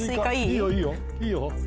いいよいいよいいよ。